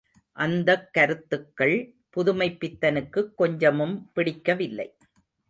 அந்தக் கருத்துக்கள் புதுமைப்பித்தனுக்குக் கொஞ்சமும் பிடிக்கவில்லை.